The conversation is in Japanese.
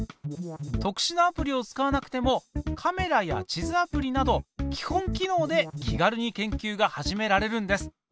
特殊なアプリを使わなくてもカメラや地図アプリなど基本機能で気軽に研究が始められるんです。